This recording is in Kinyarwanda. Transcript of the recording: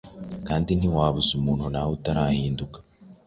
kandi ntiwabuza umuntu nawe utarahinduka